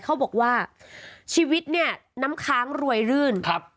เขาบอกว่าชีวิตเนี่ยน้ำค้างรวยรื่นครับ